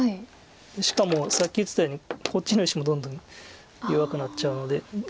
しかもさっき言ってたようにこっちの石もどんどん弱くなっちゃうので。